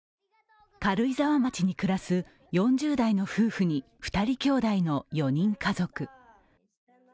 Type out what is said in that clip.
軽井沢町に暮らす４０代の夫婦に２人兄弟の４人家族。